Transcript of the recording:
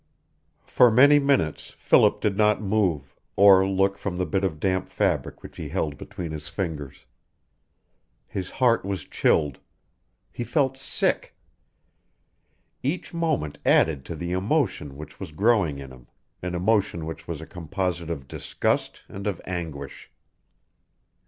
XX For many minutes Philip did not move, or look from the bit of damp fabric which he held between his fingers. His heart was chilled. He felt sick. Each moment added to the emotion which was growing in him, an emotion which was a composite of disgust and of anguish.